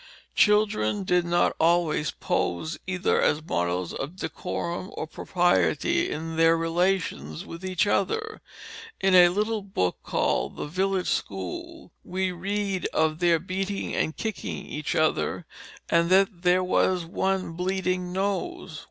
Children did not always pose either as models of decorum or propriety in their relations with each other. In a little book called The Village School, we read of their beating and kicking each other, and that there was one bleeding nose.